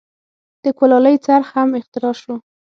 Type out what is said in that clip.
د کولالۍ څرخ هم اختراع شو.